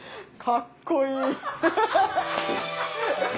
かっこいい！